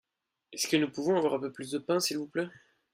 Est-ce que nous pouvons avoir un peu plus de pain s'il vous plait ?